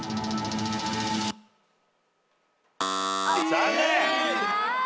残念！